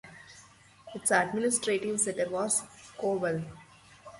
Its administrative centre was Kovel.